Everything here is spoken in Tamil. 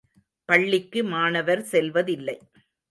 பள்ளிக்கு மாணவர் செல்வதில்லை.